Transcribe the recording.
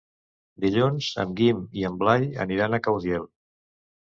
Dilluns en Guim i en Blai aniran a Caudiel.